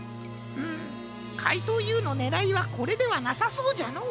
んかいとうＵのねらいはこれではなさそうじゃのう。